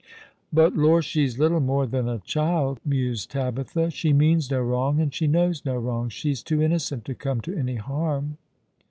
" But, lor, she's little more than a child," mused Tabitha. *' She means no wrong, and she knows no wrong. She's too innocent to come to any harm."